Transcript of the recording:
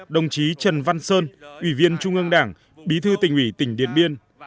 đồng chí trần văn sơn ủy viên trung ương đảng bí thư tỉnh ủy tỉnh điện biên